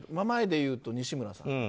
前でいうと西村さん